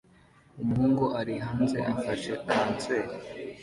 Umuhungu ari hanze afashe kanseri